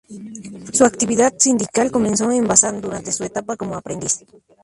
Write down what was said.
Su actividad sindical comenzó en Bazán durante su etapa como aprendiz.